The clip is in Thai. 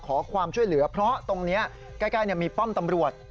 ขอความช่วยเหลือเพราะตรงนี้ใกล้มีป้อมตำรวจ